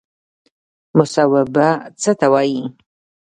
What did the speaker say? مصوبه څه ته وایي؟